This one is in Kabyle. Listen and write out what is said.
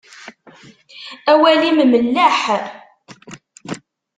Awal-im melleḥ.